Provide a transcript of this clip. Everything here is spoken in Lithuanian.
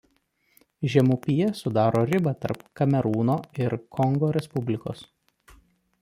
Žemupyje sudaro ribą tarp Kamerūno ir Kongo Respublikos.